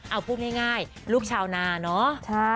เอาพูดง่ายลูกชาวนาเนอะ